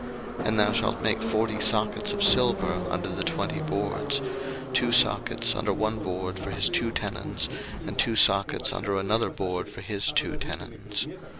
02:026:019 And thou shalt make forty sockets of silver under the twenty boards; two sockets under one board for his two tenons, and two sockets under another board for his two tenons.